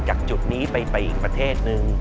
สำเร็จจากจุดนี้ไปอีกประเทศหนึ่ง